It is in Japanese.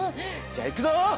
じゃあ行くぞ。